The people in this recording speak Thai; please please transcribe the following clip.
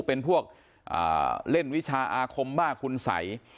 เป็นพวกเล่นวิชาอาคมบ้าคุณสัย